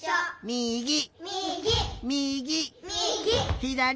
みぎ！